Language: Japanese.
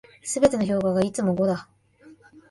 全ての評価がいつも五だ。